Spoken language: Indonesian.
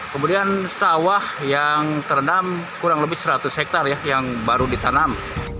kemudian sawah yang terendam kurang lebih seratus hektare yang baru ditanam